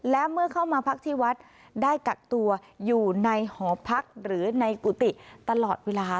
และเมื่อเข้ามาพักที่วัดได้กักตัวอยู่ในหอพักหรือในกุฏิตลอดเวลา